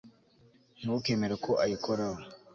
ntukemere ko ayikoraho